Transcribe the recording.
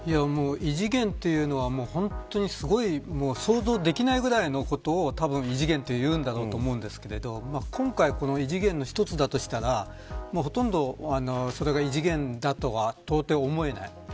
異次元というのは本当に想像できないぐらいのことを異次元と言うんだろうと思うんですけど今回、異次元の一つだとしたらほとんど、それが異次元だとは到底思えない。